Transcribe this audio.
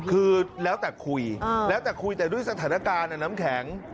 คือแล้วแต่คุยแล้วแต่คุยแต่ด้วยสถานการณ์น้ำแข็ง